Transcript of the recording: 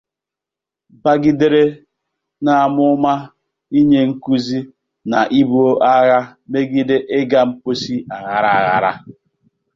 bagidèrè na amụmà inye nkuzi na ibu agha megide ịga mposi aghara aghara